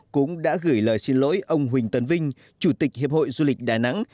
cũng đã gửi lời xin lỗi ông huỳnh tấn vinh chủ tịch hiệp hội du lịch đà nẵng